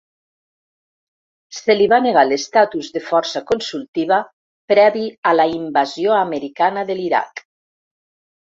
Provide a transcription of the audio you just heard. Se li va negar l'estatus de força consultiva previ a la invasió americana de l'Iraq.